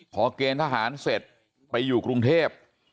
พอเกณฑ์ทหารเสร็จไปอยู่กรุงเทพ